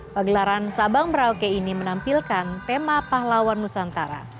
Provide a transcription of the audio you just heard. pagelaran sabang merauke ini menampilkan tema pahlawan nusantara